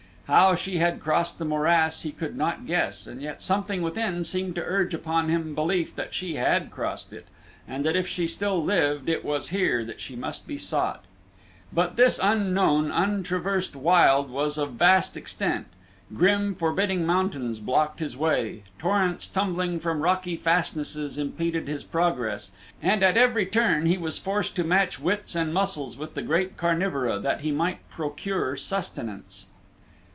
How she had crossed the morass he could not guess and yet something within seemed to urge upon him belief that she had crossed it, and that if she still lived it was here that she must be sought. But this unknown, untraversed wild was of vast extent; grim, forbidding mountains blocked his way, torrents tumbling from rocky fastnesses impeded his progress, and at every turn he was forced to match wits and muscles with the great carnivora that he might procure sustenance.